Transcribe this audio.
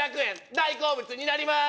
大好物になりまーす